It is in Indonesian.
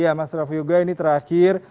iya mas raffiuga ini terakhir